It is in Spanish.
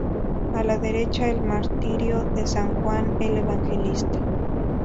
A la derecha, el martirio de san Juan el Evangelista.